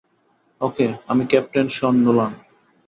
ওকে, আমি, captain Sean Nolan.